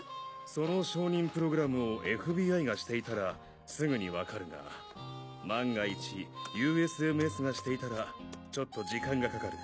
その証人プログラムをＦＢＩがしていたらすぐに分かるが万が一ＵＳＭＳがしていたらちょっと時間がかかる。